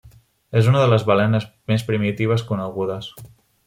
És una de les balenes més primitives conegudes.